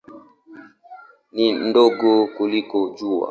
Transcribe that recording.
Ni ndogo kuliko Jua.